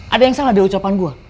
ada yang salah di ucapan gue